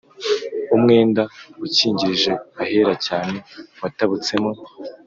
umwenda ukingirije ahera cyane watabutsemo